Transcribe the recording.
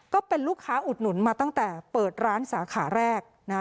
ก็เป็นลูกค้าอุดหนุนมาตั้งแต่เปิดร้านสาขาแรกนะฮะ